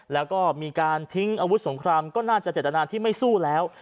แล้วก็มีการทิ้งอาวุธสงครามก็น่าจะเจตนาที่ไม่สู้แล้ว